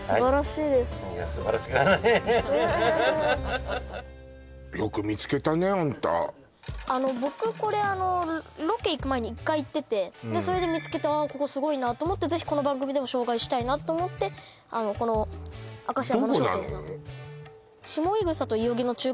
いや素晴らしくないあんた僕これあのロケ行く前に一回行っててそれで見つけてここすごいなと思ってぜひこの番組でも紹介したいなと思ってこのあかしや真野商店さんどこなの？